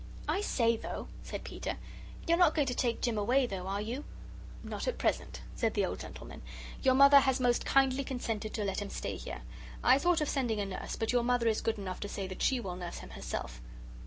"I say, though," said Peter, "you're not going to take Jim away, though, are you?" "Not at present," said the old gentleman. "Your Mother has most kindly consented to let him stay here. I thought of sending a nurse, but your Mother is good enough to say that she will nurse him herself."